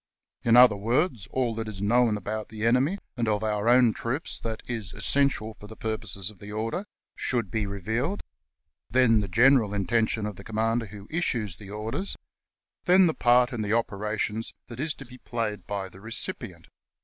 ... In other words, all that is known about the enemy, and of our own troops, that is essential for the purposes of the order, should be revealed ; then the general intention of the commander who issues the orders ; then the part in the operations that is to be played by the recipient.